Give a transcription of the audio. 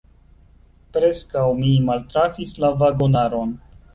Preskaŭ mi maltrafis la vagonaron.